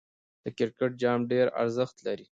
د کرکټ جام ډېر ارزښت لري.